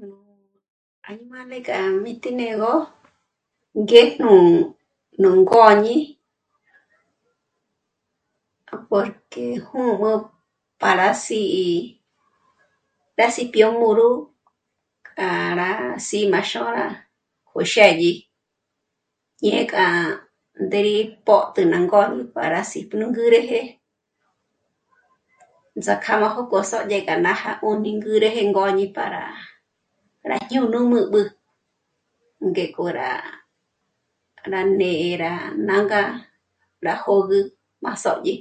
Nú añimale k'a rí mí tí né'egö ngéj nú... nú ngôñi porque... jùm'ü para sǐ'i, rá sí pjyó mùru k'â'a rá sí'má xôra o xë̌dyi, ñé k'a ndéri pót'ü ná ngó' para sí' nú ngûrujé ts'ák'a májo k'o sòdye k'a nája 'ùni ngéreje ngôñi para rá jñô'nu m'ǘ'b'ü ngék'o rá... rá né'e rá... nânga rá jôgü má sòdye